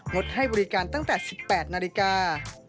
ดให้บริการตั้งแต่๑๘นาฬิกา